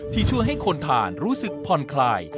ที่ช่วยให้คนทานรู้สึกผ่อนคลาย